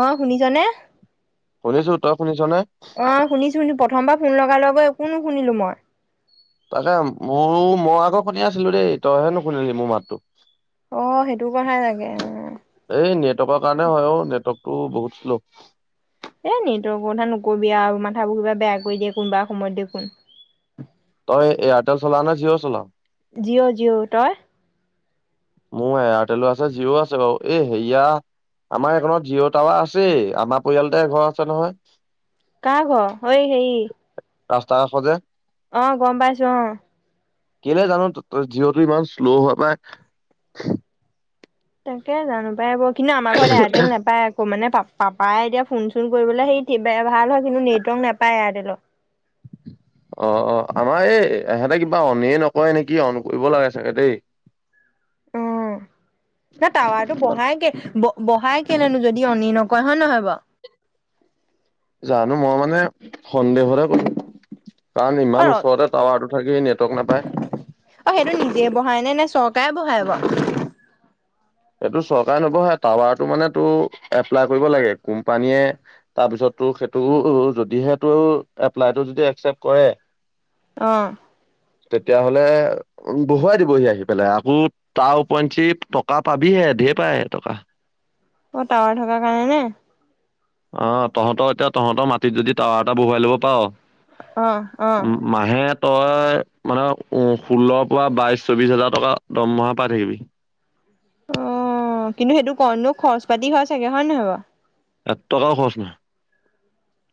অ', শুনিছনে? শুনিছোঁ, তই শুনিছনে? অ', শুনিছোঁ, প্ৰথমবাৰ ফোন লগাই লৈ গৈ একো নুশুনিলো মই। [unintelligible] ময়ো, মই আকৌ শুনি আছিলোঁ দেই, তইহে নুশুনিলি মোৰ মাতটো। অ সেইটো কথা লাগে অ এই নেটৱৰ্কৰ কাৰণে হয়, অ', নেটৱৰ্ক টো বহুত শ্ল' এই নেটৱৰ্কৰ কথা নকবি আৰু মাথাবোৰ কিবা বেয়া কৰি দিয়ে কোনোবা সময়ত দেখোন। তই এয়াৰটেল চলাওঁ নে, জিঅ' চলাওঁ? জিঅ', জিঅ' তই? মোৰ এয়াৰটেলো আছে জিঅ' আছে বাৰু এই হেইয়া আমাৰ এখনত জিঅ' টাৱাৰ আছেই, আমাৰ পৰিয়ালতে এঘৰ আছে নহয়। কাৰৰ ঘৰ হঐ হেৰি ৰাস্তা কাষৰ যে আহ গ'ম পাইছোঁ আহ কেলে জানোঁ জিঅ' টো ইমান শ্লো হোৱা পাই তাকে জানোঁ পাই ব কিন্তু আমাৰ ঘৰত এয়াৰটেল নাপায় আকৌ মানে পাপ পাপাই এতিয়া ফোন চোন কৰিবলৈ সেই ভাল হয় কিন্তু নেটৱৰ্ক নাপায় এয়াৰটেলত [inaudible] অ' অ' আমাৰ এই এহেঁতে কিবা অননেই নকয় নেকি অন কৰিব লাগে চাগে দেই অহ' ন টাৱাৰটো বহাইকে বহাই কেনেনো যদি অননি নকয় হয় নহয় বাৰ জানো মই মানে সন্দেহতে কলো কাৰণ ইমান বাৰু অ ওচৰতে টাৱাৰ তথাকি নেটৱৰ্ক নাপায় অ সেইটো নিজে বহাই নে নে চৰকাৰে বহাই বাৰু এইটো চৰকাৰে নবহাই টাৱাৰটো মানে তো এপ্লাই কৰিব লাগে কোম্পানীয়ে তাৰপিছত ত সেইটো যদিহে তটো এপ্লাইটো যদি একচেপট কৰে অ ' তেতিয়াাহলে বহুৱাই দিবহি আহি পেলাই আকৌ তাৰ উপওৰঞ্চি টকা। পাবিহে ঢেৰ পায় টকা অ টাৱাৰ থকা কাৰণে নে আহ তহঁতৰ এতিয়া তহঁতৰ মাটিত যদি টাৱাৰ এটা বহুৱাই ল'ব পাৰ। আহ আহ মাহে তই মানে ষোল্লৰ পৰা বাইশ চৌবিশ হাজাৰ টকা দৰমহা পাই থাকিবি। অ', কিন্তু সেইটো কণনো খৰচ পাতি হোৱা চাগে হয় নে নহয় বাৰু এ টকাও খৰচ নাই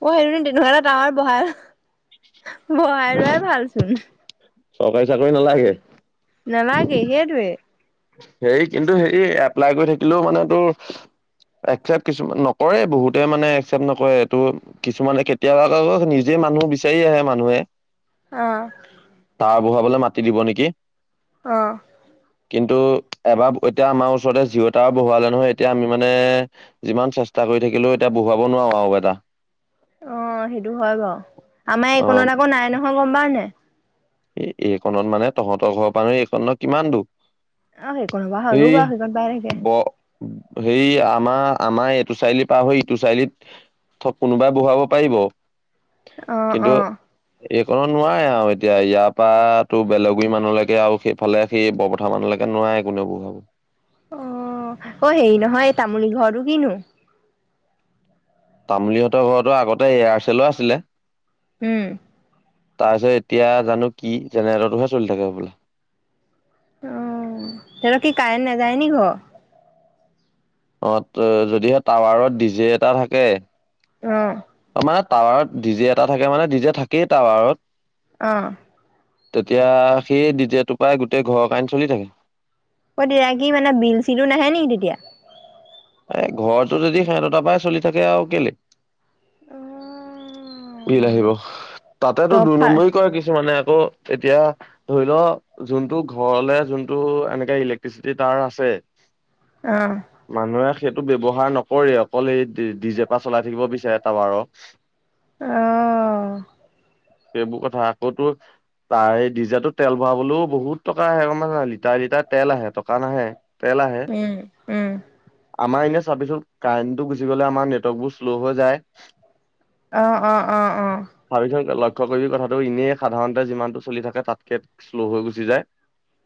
পঢ়াইো ন তেনেকুৱা তাৱাৰ বহাই বহাই লোৱাই ভালচোন। চৰকাৰী চাকৰি নালাগে নালাগে সেইটোৱে হেৰি কিন্তু হেৰি এপ্লাই কৰি থাকিলেও মানে তোৰ একচেপট কিছুমান নকৰে বহুতে মানে একচেপ্ট নকৰে এইটো কিছুমানে কেতিয়াবা নিজে। মানুহ বিচাৰি আহে মানুহে আহ হ বহাবলে মাতি দিব নেকি অহ কিন্তু এবাৰ এতিয়া আমাৰ ওচৰতে জিঅটা বহুৱালে নহয় এতিয়া আমি মানে যিমান চেষ্টা কৰো লৈ থাকিলেও এতিয়া বহাব নোৱাৰো আৰু এটা অ' সেইটো হয় বাৰ আমাৰ অ এইকণত আকৌ নাই নহয় গম পা নে এ এইখনত মানে তহঁতৰ ঘৰৰ পৰানুহ এইখন কিমান দখ আহেই কো বাহ হয় উব হয় পাৰেক ব সেই আমাৰ আমাৰ এইটো চাৰিআলি পাৰ হৈ ইটো চাৰিআলিত থ কোনোবাই বহুৱাব পাৰিব অ', অ', কিন্তু অ', এইকণত নোৱাৰে আৰু এতিয়া ইয়াৰ পৰা তো বেলেগী মানুহলৈকে আৰু সেইফালে সেই বৰপঠা মানুহলৈকে নোৱাই কোনেওবোৰ ভাব অ- অ হেৰি নহয় এই তামোলীৰ ঘৰো কিনো তামুলীহঁতৰ ঘৰতো আগতে এয়াৰচেলো আছিলে উম, তাৰপিছত এতিয়া জানো কি জেনেৰেটোহে চলি থাকে বোলা। অ' সত কি কাৰেণ্ট নাযায় নি ঘৰ অ' যদিহে টাৱাৰত ডি জে এটা থাকে উম। অ' মানে টাৱাৰত ডিজে এটা থাকে মানে ডিজে থাকেই টাৱাৰত অ' তেতিয়া সেই দ্বিতীয়টো পৰাায় গোটেই ঘৰৰ কাৰণে চলি থাকে। অ' দতিৰাাক কি মানে বিল চিলো নাহে নেকি তেতিয়া এ ঘৰৰতটো যদি সিহঁতটাৰ পৰাই চলি থাকে আৰু কেলে অ' বিল আহিব তাতেতো চব দুই ফাল নম্বৰী কয় কিছু মানে ত' এতিয়া ধৰি ল যোনটো ঘৰলে যোনটো এনেকে ইলেক্ট্ৰিচিটি তাৰ আছে অহ মানুহৰ সেইটো ব্যৱহাৰ নকৰে অকল সেই ডি জেপা চলাই থাকিব বিচাৰে তাবাৰক আহ সেইবোৰ কথা আকৌতো তাৰ এই ডিজেৰ টোত তেল ভৰাবলৈও বহুত টকা আহে লিটাৰ লিটাৰ তেল আহে টকা নাহে। তেল আহে উম উম। আমাৰ এনে চাবিছোন কাৰেণ্টটো গুচি গলে আমাৰ নেটৱৰ্ক বোৰ শ্ল' হৈ যায়। আহ আহ আহ আহ। চাবিচোন লক্ষ্য কৰি কথাটো এনেই সাধাৰণতে যিমানটো চলি থাকে তাতকে শ্ল' হৈ গুচি যায়।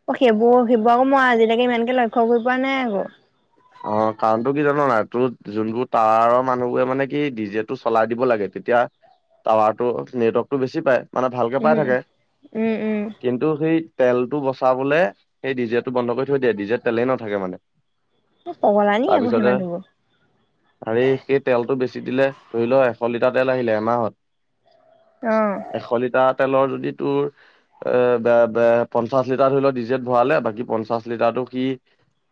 অ সেইবোৰ শিৱোৰ আকৌ মই আজিলৈকে ইমানকে লক্ষ্্য কৰি পোৱা নাই আকৌ। অ কাৰণতটো কি জানো নাই তোৰ যোনবোৰ টাৱাৰৰ মানুহবোৰে মানে কি ডিজে টো চলাই দিব লাগে। তেতিয়া টাৱাৰ টো নেটৱৰ্কতটো বেছি পায়। মানে ভালকে পাই উম থাকে উম উম কিন্তু সেই তেলতটো বচাবলে সেই ডিজেটো বন্ধ কৰি থৈ দিয়ে ডিজে তেলেই নাথাকে মানে। পগলা নি আকৌ সেই তাৰপিছতে মানুহবোৰ হেৰি সেই তেলটো বেছি দিলে ধৰি, ল এশ লিটাৰ তেল আহিলে এমাহত অ এশ লিটাৰত তেলৰ যদি তোৰ পঞ্চাছ লিটাৰ ধৰি ল ডিজিত ভৰালে বাকি পঞ্চাছ লিটাৰ কি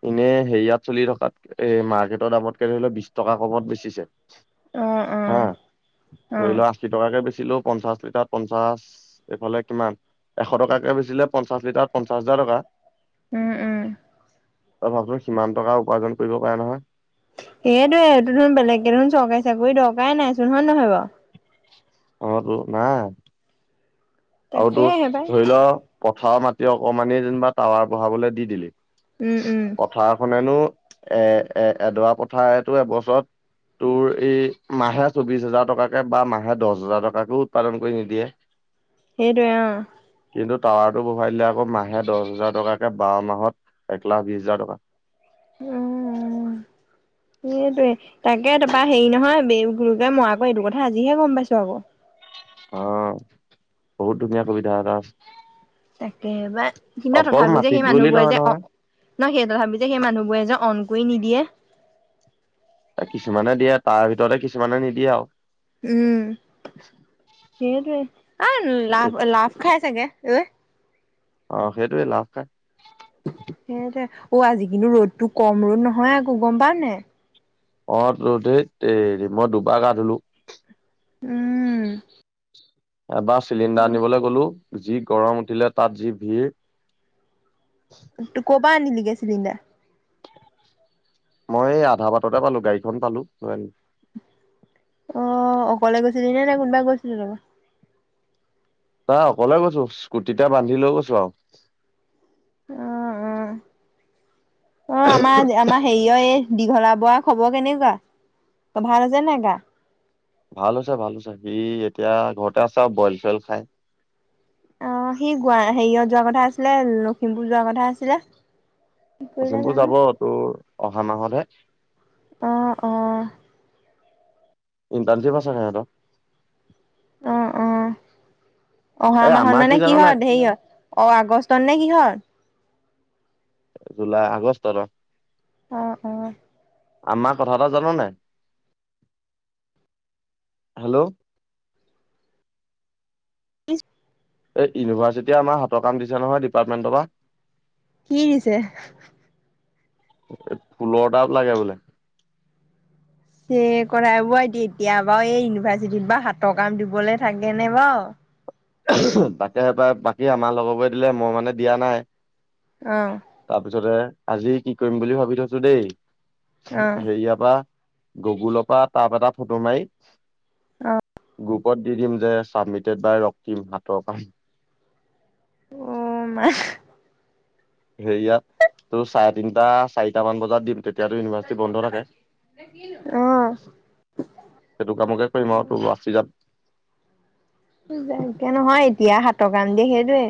এনেই সেৰিয়াত চলি থকাত এ মাৰ্কেটৰ দামতকে ধৰি লও বিশ টকা কমত বেছিছে। অ অ হা অ ধৰিল আশি টকাকে বেছিল। ছিলো পঞ্চাশ লিটাৰ পঞ্চাশ এইফালে কিমান এশ টকাকে বেছিলে পঞ্চাশ লিটাৰত পঞ্চাশ হাজাৰ টকা। উম উম। তই ভাবচোন কিমান টকা উপাৰ্জন কৰিব পাৰে নহয়। এইটোয়ে এইটো ধোন বেলেগকে ধৰোন চৰকাৰী চাকৰি দৰকাৰেই নাইচোন হয় নহয় বাৰু। অ তোৰ নাই আৰু তোৰ তাকেহে পাই ধৰি ল পথাৰ মাটি অকমানি যেনিবা টাৱাৰ বহাবলে দি দিলি উম উম পথাৰ খনেনো এ এ এডৰা পথাৰেতো এবছৰত তোৰ এই মাহে চৌবিছ হাজাৰ টকাকে বা মাহে দহ হাজাৰ টকাকেও উৎপাদন কৰি নিদিয়ে। সেইটোৱে। কিন্তু টাৱাৰটো বহাই দিলে আকৌ মাহে দছ হাজাৰ টকাকে বাৰ মাহত একলাখ বিশ হাজাৰ টকা। উম। সেইটোয়ে তাকে তাৰপৰা হেৰি নহয় গুৰুকে মৰাকৌ এইটো কথা আজিহে গম পাইছো আকৌ অ বহুত দুুনীয়া কবিতা এটা আছে। তাকে বায় [unintelligible] তথাপি যে মাটিত সেই বুলি মানুহবোৰে নহয় যে অ নহয় না সেই তথাপি যে সেই মানুহবোৰেজে অন কৰি নিদিয়ে কিছুমানে দিয়ে তাৰ ভিতৰতে কিছুমানে নিদিয়ে আৰু। উম, সেইটোৱে আৰু লাভ লাভ খাই চাগে [inaudible] অ, সেইটোৱে লাভ সেইতে অ আজি কিন্তু ৰ'দটো কম ৰ'দ নহয় আকৌ গম পাৱ নে অ, টো ধেত তেৰী মই দুবাৰ গা ধলো উম, এবাৰ চিলিণ্ডাৰ আনিবলৈ গ'লো যি গৰম উঠিলে তাত যি ভিৰ ত, কোৰ প্ৰা আনিলি গেছ চিলিণ্ডাৰ। মই এই আধা বাটতে পালো গাড়ীখন পালো লৈ আনিলো। অ', অকলে গৈছিলি নে নাই কোনবাই গৈছিল লগত। ন অকলে গৈছো। স্কুটিতে বান্ধি লৈও গৈছো আৰু। অ-অ-অ আমাৰ আমাৰ হেৰিয় দীঘলা বৰা খবৰ কেনেকুৱা ত ভাল আছে নে নাই গা। ভাল হৈছে ভাল হৈছে। সি এতিয়া ঘৰতে আছে, আৰু বইল চইল খাই। আহ সি গোৱা হেৰিয়ত যোৱা কথা আছিলে। লখিমপুৰ যোৱাৰ কথা আছিলে। কি কৰিলে পচিমপুৰ জানো। যাব তোৰ অহা মাহতহে অঁ, অঁ। ইন্তানশিপ আছে নাই হেত? অঁ, অঁ, অহা এই মাহত আমাৰ মানে কি জান হয় নাই ধেৰি হয় অ, আগষ্ট তনে কিহৰ জুুলাই আগষ্টত অঁ অঁ, অঁ। আমাৰ কথা এটা জান নাই হেল্ল'। এই ইউনিভাৰ্চিটিয় আমাৰ হাতৰ কাম দিছে নহয় ডিপাৰ্টমেণ্টৰ পৰা কি দিছে। এই ফুলৰটাপ লাগে বোলে। চে, কথা বৌ এতিয়া বাৰু এই ইউনিভাৰ্চিটিত বা হাতৰ কাম দিবলৈ থাকে নে বাৰ তাকে সেইব বাকী আমাৰ লগৰবো দিলে মই মানে দিয়া নাই। অ' তাৰপিছতে আজি কি কৰিম বুলি ভাবি থৈছো দেই, অ' হেৰিয়া পা গগুলৰ পৰা তাপ এটা ফটো মাৰি অ' গ্ৰুপত দি দিম যে ছাবমিটেড বাই ৰক্তিম হাতৰ কাম। উ ম সেয়াত তোৰ চাৰে তিনটা চাৰিটা মান বজাত দিম তেতিয়াতো ইউনিভাৰ্চিটি বন্ধ থাকে। অ' সেইটো কামকে কৰিম আৰু তোৰ আচি যাত [unintelligible] এতিয়া নহয় এতিয়া সাতৰ কাম দিয়ে সেইটোৱে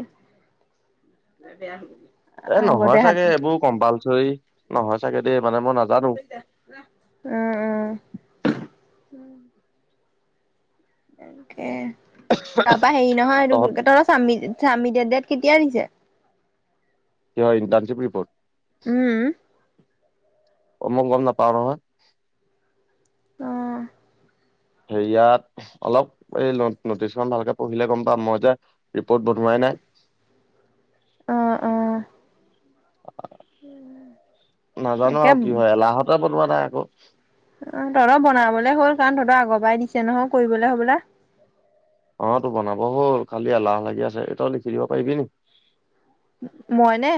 এ নহয় আগতে হাত চাগে এইবোৰ কম্পালচ চৰি নহয় চাগে দেই মানে মই নাজানো। অ' অ' তাকে, তাৰপা হেৰি নহয় এইটো কি তহঁত তহঁতৰ চাম্মি চাম্মিদে দেত কেতিয়া দিছে? কিহৰ ইন্টাৰ্নচিপ ৰিপৰ্ট? উম। অ মই গম নাপাও নহয়। অ', হেৰিয়াত অলপ এই নটিচখন ভালকে পঢ়িলে গম পাম। মই যে ৰিপৰ্ট বনোৱাই নাই। অ অ। নাজানো তাকে আৰু কি হয়। এলাহতে বনোৱা নাই আক'। অ তহঁতৰ বনাবলে হ'ল কাৰণ তহঁতৰ আগৰ পৰাই দিছে নহয় কৰিবলে হবলা। অতো বনাব হ'ল খালি এলাহ লাগি আছে। তই লিখি দিব পাৰিবি নি? মই নে?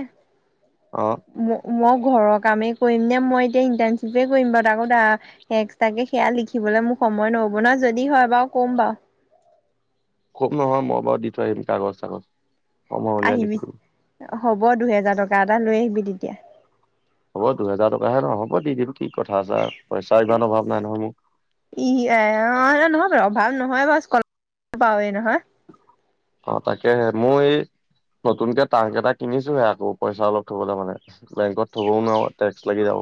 অ ম মই ঘৰৰ কামেই কৰিম নে মই এতিয়া ইণ্টাৰ্নশ্বিপে কৰিম বাৰু তাকো এক্সট্ৰাকে সেয়া লিখিবলে মোক সময় নহ'ব নহয়। যদি হয় বাৰু কম বাও। কম নহয়, মই বাৰু দি থৈ আহিম কাগজ-চাগজ। আহিবি। হ'ব দুহেজাৰ টকা এটা লৈ আহিবি তেতিয়া। হ'ব দুহেজাৰ টকাহে ন! হ'ব দি দিম কি। কথা আছে আৰু পইচা ইমান অভাৱ নাই নহয় মোৰ [unintelligible] নহয় বাও স্কল পাওঁৱেই নহয়। অ তাকেহে। মই এই নতুনকে ট্ৰাঙ্ক এটা কিনিছোহে আকৌ পইচা অলপ থবলে মানে। বেংকত থবও নোৱাৰো টেক্স লাগি যাব।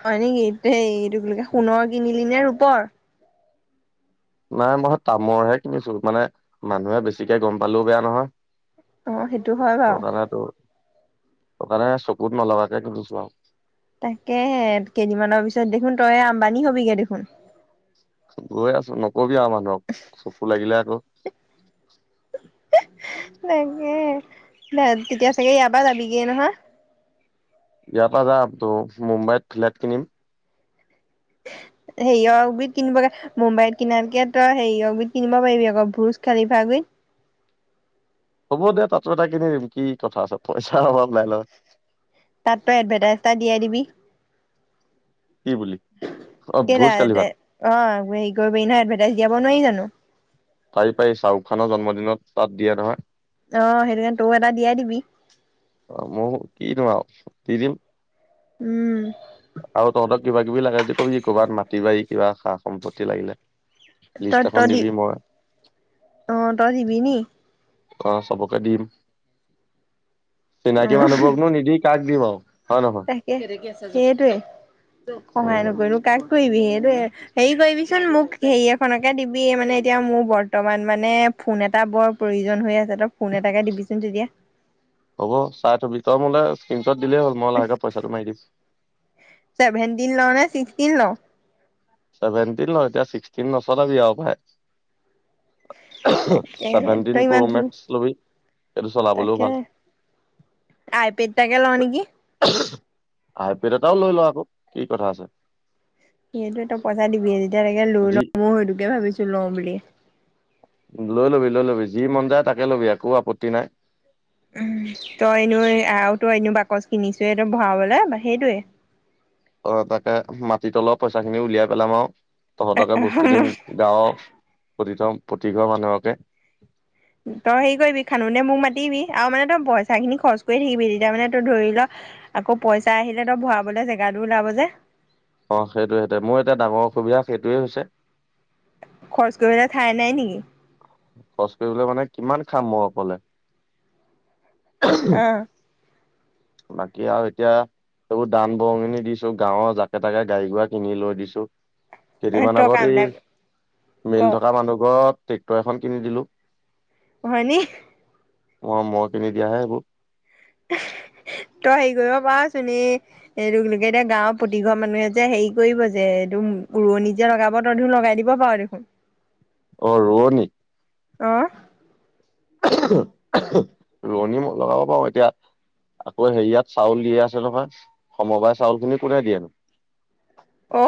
হয় নেকি? সেই এইটো বুলি কয় সোণৰ কিনিলি নে ৰূপৰ? নাই মই তামৰহে কিনিছো মানে মানুহে বেছিকে গম পালেও বেয়া নহয়। অহ, সেইটো হয় বাৰু মানে চকুত নলগাকে কিনিছো আও তাকেহে, কেইদিনমানৰ পিছত দেখোন তই আম্বানী হবিগে দেখোন। গৈ আছো, নকবি আৰু মানুহক চকু লাগিলে আকৌ তাকেহে, তেতিয়া চাগে ইয়াৰ পৰা যাবিগে নহয়। ইয়াৰ পৰা যামটো, মুম্বাইত ফ্লেট কিনিম। [inaudible] সেৰিয় গুইত কিনিবগৈ, মুম্বাইত কিনাতকে তই সেৰিয় গুইত কিনিব পাৰিবি আকৌ ভোজ খালিফা যে হব দে তাতো এটা কিনি দিম, কি কথা আছে পইচাৰ অভাৱ নাই নহয় তাত তই এডভাটাইটাইজ এটা দিয়াই দিবি। কি বুলি অ কেইটা, ভোজ কালি ভাত অহ হেৰি কৰিবি নহয় এডভাইটাইজ দিয়াব নোৱাৰি জানোঁ। পাৰি পাৰি, শ্বাহৰুখ খানৰ জন্মদিনত তাত দিয়ে নহয়। অহ, সেইটো কাৰণে তইও এটা দিয়াই দিবি। অ মোৰ কিনো আৰু দি দিম। উম আৰু তহঁতক কিবা কিবি লাগে যদি কবি, ক'বাত মাটি বাৰী, কিবা সা- সম্পত্তি লাগিলে লিষ্ট তই, এখন তইদি দিবি মই অহ তই দিবি নি? অ চবকে দিম, অ চিনাকী মানুহবোৰকনো নিদি কাক দিব তাকে সেইটোৱে, তোক সহায় উম নকৰিনো কাক কৰিবি সেই দে, হেৰি কৰিবিচোন মোক হেৰি এখনকে দিবি, মানে এতিয়া মোৰ বৰ্তমান মানে ফোন এটা বৰ প্ৰয়োজন হৈ আছে, তই ফোন এটাকে দিবিচোন তেতিয়া। হব চাহটো ভিতৰ মুলে স্কিনচট দিলেই হ'ল, মই লাহেকে পইচাটো মাৰি দিম। ছেভেনটিন লওঁ নে, ছিকচটিন লওঁ চেভেনটিন ল এতিয়া ছিক্সটিন নচলাবি য়াও পায়। তাকে ছেভেনটিন তই ইমান প্ৰ' জোৰ মেক্স লবি। এইটো চলাবলৈও তাকে ভাল আই পেড তাকে লও নেকি। আাইপেড এটাও লৈ লওঁ আকৌ কি কথা আছে। সেইটো তো পইচা দিবি যেতিয়া তকে লৈ যি লওঁ মই সেইটোকে ভাবিছো লওঁ বুলি। লৈ লবি, লৈ লবি যি মন যায় তাকে ল'বি একো আপত্তি নাই। তই এনো আৰু তই এনে বাকচ কিনিছে তই ভৰাবলে সেইটোৱে। অ' তাকে মাটিত অলপ পইচা খিনি উলিয়াই পেলাম আৰু তহঁতকে বস্তু দিম গাঁৱৰ প্ৰতি প্ৰতিঘৰ মানুহকে। তই হেৰি কৰিবি খানোতে মোক মাতিবি আৰু মানে তই পইচা খিনি খৰচ কৰি থাকিবি তেতিয়া মানে তই ধৰি ল'। আকৌ পইচা আহিলে তো ভৰাবলে জেগাটো ওলাব যে। অ, সেইটোৱে সৈতে, মোৰ এতিয়া ডাঙৰ অসুবিধা সেইটোৱে হৈছে। খৰচ কৰিবলৈ ঠাই নাই নেকি? খৰচ কৰিবলৈ মানে কিমান খাম মই অকলে? অঁ! বাকী আৰু এতিয়া! এইবোৰ দান বৰঙণি দিছোঁ, গাঁৱৰ জাকে-তাকে গাডী-গোড়া কিনি লৈ দিছোঁ। কেইদিমান তই কাম আগত এটা এই, মিল ক থকা মানুহ ঘৰত ট্ৰেক্টৰ এখন কিনি দিলোঁ। হয়নি? অঁ মই কিনি দিয়াহে এইবোৰ। তই হেৰি কৰিব পাৰচোন! এই তোক, এতিয়া গাঁৱৰ প্ৰতিঘৰ মানুহতে যে হেৰি কৰিব যে, এইটো উৰণি যে লগাব, তই দেখোন লগাই দিব পাৰ দেখোন। অঁ, ৰোৱনী। অঁ! [inaudible] ৰোৱনী মই লগাব পাৰোঁ, এতিয়া। আকৌ হেৰিয়াত চাউল দিয়ে আছে নহয়। সমবায় চাউল খিনি কোনে দিয়েনো? অ'।